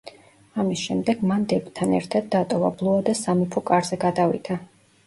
ამის შემდეგ მან დებთან ერთად დატოვა ბლუა და სამეფო კარზე გადავიდა.